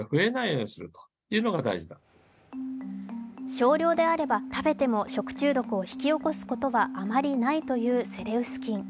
少量であれば食べても食中毒を引き起こすことはあまりないというセレウス菌。